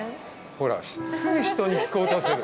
ほら、すぐ人に聞こうとする。